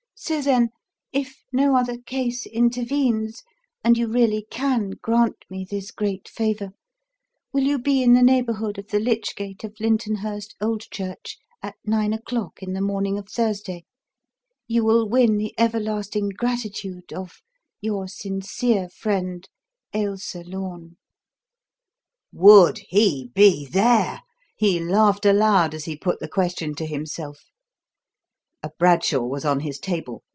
So then, if no other case intervenes, and you really can grant me this great favour, will you be in the neighbourhood of the lich gate of Lyntonhurst Old Church at nine o'clock in the morning of Thursday, you will win the everlasting gratitude of, Your sincere friend AILSA LORNE." Would he be there? He laughed aloud as he put the question to himself. A Bradshaw was on his table.